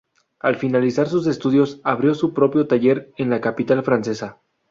Al finalizar sus estudios abrió su propio taller en la capital francesa.